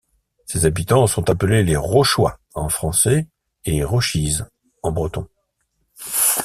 Ses habitants sont appelés les Rochois, en français, et Roc'hiz en breton.